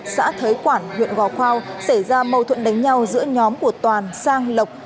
xã thới quản huyện gò khoa xảy ra mâu thuận đánh nhau giữa nhóm của toàn sang lộc